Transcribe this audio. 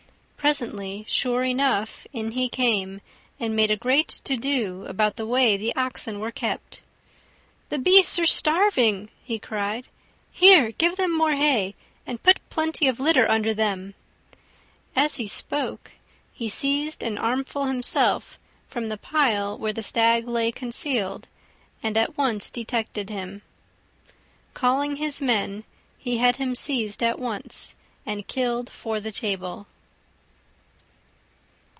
Presently, sure enough, in he came, and made a great to do about the way the Oxen were kept. "The beasts are starving," he cried; "here, give them more hay, and put plenty of litter under them." As he spoke, he seized an armful himself from the pile where the Stag lay concealed, and at once detected him. Calling his men, he had him seized at once and killed for the table.